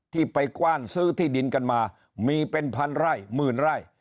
ที่ไปกว้านซื้อที่ดินกันมามีเป็นพันไร่หมื่นไร่